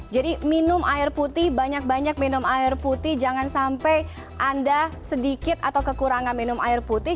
jadi minum air putih banyak banyak minum air putih jangan sampai anda sedikit atau kekurangan minum air putih